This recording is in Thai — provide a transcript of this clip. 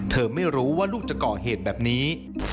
เธอไม่รู้ว่าลูกจะก่อเหตุแบบนี้